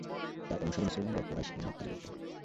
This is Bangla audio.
তাঁর অনুসারী মুসলমানরাও কুরাইশ এবং মক্কারই লোকজন।